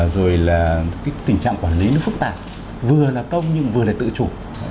rồi là cái tình trạng quản lý nó phức tạp vừa là công nhưng vừa là tự chủ